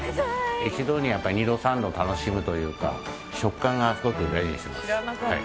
一度に二度三度楽しむというか食感がすごく大事にしています。